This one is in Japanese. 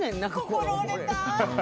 心折れた。